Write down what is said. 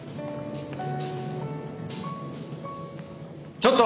ちょっと！